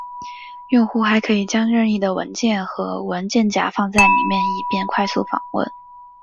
用户还可以将任意的文件和文件夹放在里面以便快速访问。